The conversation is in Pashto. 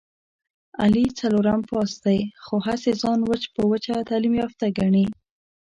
علي څلورم پاس دی، خو هسې ځان وچ په وچه تعلیم یافته ګڼي...